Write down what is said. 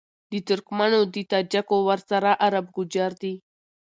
د ترکمــــنــــــو، د تاجـــــــــکــــو، ورســـــره عــــرب گـــوجـــر دي